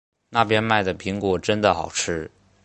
那边卖的苹果真的好吃